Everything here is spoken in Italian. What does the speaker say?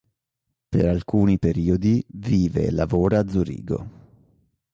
Per alcuni periodi vive e lavora a Zurigo.